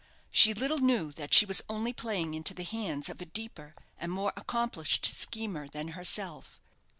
She little knew that she was only playing into the hands of a deeper and more accomplished schemer than herself.